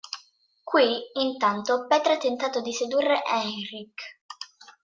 Qui, intanto, Petra ha tentato di sedurre Henrik.